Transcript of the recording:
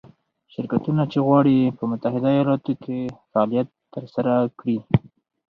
شرکتونه چې غواړي په متحده ایالتونو کې فعالیت ترسره کړي.